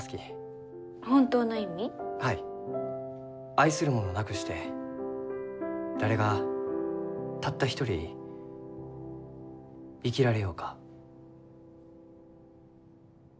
「愛する者なくして誰がたった一人生きられようか？」。